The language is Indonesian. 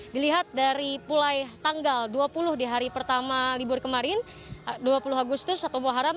dilihat dari pulai tanggal dua puluh di hari pertama libur kemarin dua puluh agustus atau muharam